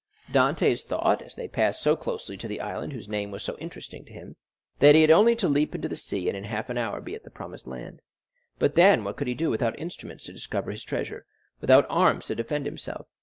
Dantès thought, as they passed so closely to the island whose name was so interesting to him, that he had only to leap into the sea and in half an hour be at the promised land. But then what could he do without instruments to discover his treasure, without arms to defend himself?